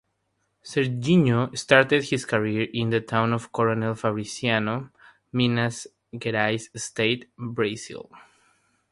Serginho started his career in the town of Coronel Fabriciano, Minas Gerais state, Brazil.